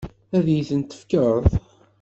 Ad iyi-ten-tefkeḍ?